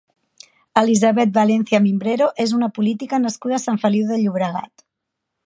Elisabeth Valencia Mimbrero és una política nascuda a Sant Feliu de Llobregat.